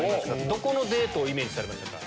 どこのデートをイメージされましたか？